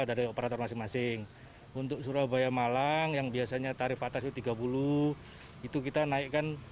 dari operator masing masing untuk surabaya malang yang biasanya tarif atas itu tiga puluh itu kita naikkan